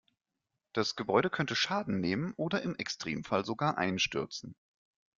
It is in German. Das Gebäude könnte Schaden nehmen oder im Extremfall sogar einstürzen.